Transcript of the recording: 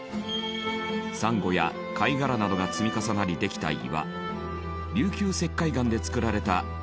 サンゴや貝殻などが積み重なりできた岩琉球石灰岩で造られた石畳の道や。